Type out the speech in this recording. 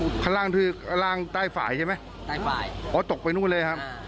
เด็กตกลงไปแล้วน้ำก็พัดไปไง